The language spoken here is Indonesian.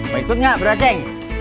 mau ikut ga bro aceh